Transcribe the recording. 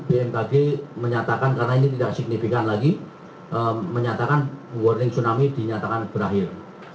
bmkg menyatakan karena ini tidak signifikan lagi menyatakan warning tsunami dinyatakan berakhir